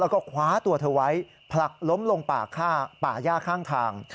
แล้วก็คว้าตัวเธอไว้ผลักล้มลงป่าย่าข้างทาง